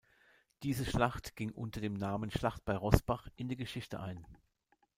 Diese Schlacht ging unter dem Namen Schlacht bei Roßbach in die Geschichte ein.